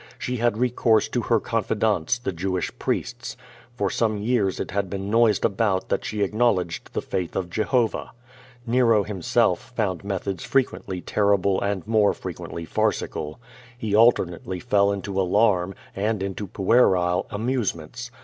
She had recourse to her confidants, the Jewish priests. For some years it had been noised about that she acknowledged the faith of Jehovah. Nero, himself, found methods frequently terrible and more frequently farcical. He alternately fell into alarm, and into puerile amusements.